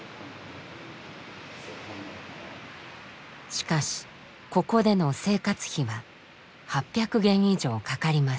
しかしここでの生活費は８００元以上かかります。